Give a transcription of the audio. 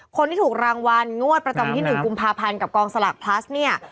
คนที่ถูกรางวัลงวดประจำที่๑กุมภาพันธ์กับกองสลากพลัสเนี่ย